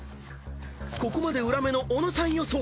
［ここまで裏目の尾野さん予想］